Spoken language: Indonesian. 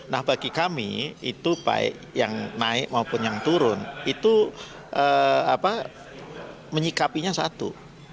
nah bagi kami itu baik yang naik maupun yang turun itu menyikapinya satu